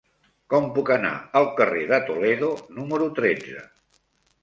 Com puc anar al carrer de Toledo número tretze?